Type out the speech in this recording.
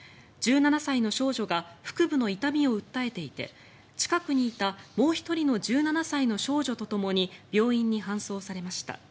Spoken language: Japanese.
１７歳の少女が腹部の痛みを訴えていて近くにいたもう１人の１７歳の少女とともに病院に搬送されました。